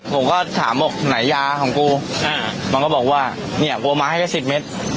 ผมก็ถามบอกไหนยาของกูมันก็บอกว่าเนี่ยโบมาให้แค่สิบเมตร